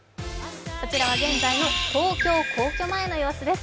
こちらは現在の東京・皇居前の様子です。